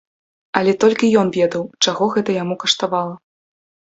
Але толькі ён ведаў, чаго гэта яму каштавала.